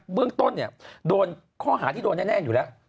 เรื่องต้นเนี่ยโดนข้อหาที่โดนแน่อยู่แล้ว